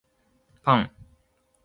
パン